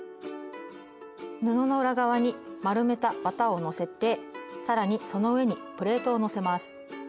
布の裏側に丸めた綿をのせて更にその上にプレートをのせます。